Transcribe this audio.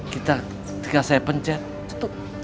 kita tinggal saya pencet tutup